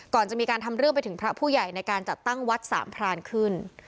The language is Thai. ก่อนจะมีการทำเรื่องไปถึงพระผู้ใหญ่ในการจัดตั้งวัดสามพรานขึ้น